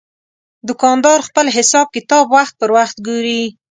دوکاندار خپل حساب کتاب وخت پر وخت ګوري.